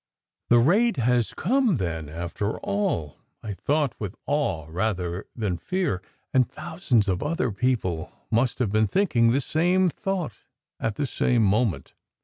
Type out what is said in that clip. " The raid has come, then, after all !" I thought, with awe rather than fear; and thousands of other people must have been thinking the same thought at the same moment.